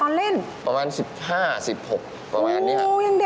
ก็ประมาณ๓๐นะ